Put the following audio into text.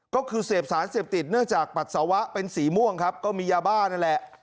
ก็คือเสพสารเสพติดเนื่องจากปัสสาวะเป็นสีม่วงครับก็มียาบ้านั่นแหละ